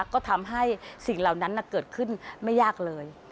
ก็ทำให้สิ่งเหล่านั้นเกิดขึ้นไม่ยากเลย